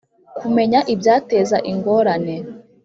kumenya ibyateza ingorane.